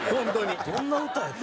どんな歌やねん。